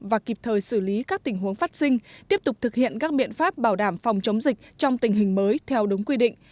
và kịp thời xử lý các tình huống phát sinh tiếp tục thực hiện các biện pháp bảo đảm phòng chống dịch trong tình hình mới theo đúng quy định